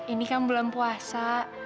ini kan bulan puasa